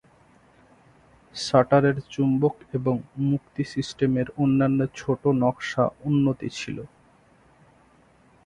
শাটারের চুম্বক এবং মুক্তি সিস্টেমের অন্যান্য ছোট নকশা উন্নতি ছিল।